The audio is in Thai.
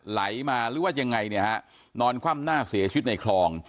ไหลมาหรือว่ายังไงเนี่ยฮะนอนคว่ำหน้าเสียชีวิตในคลอง